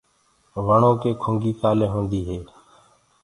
وڻو ڪي کُنگي ڪآلي هوندي هي؟